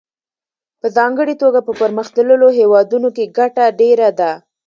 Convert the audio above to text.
په ځانګړې توګه په پرمختللو هېوادونو کې ګټه ډېره ده